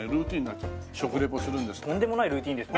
とんでもないルーチンですね。